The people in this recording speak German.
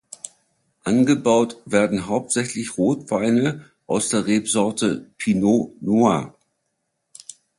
Angebaut werden hauptsächlich Rotweine aus der Rebsorte Pinot Noir.